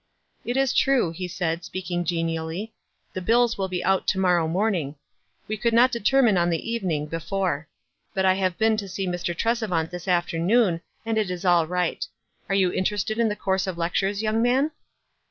"It is true," he said, speaking genially. "The bills will be out to morrow morning. "\Vc could not determine on the evening, before ; but I have been to sec Mr. Trcsevant this afternoon, and it is all right. Are you interested in the course of lectures, young man?"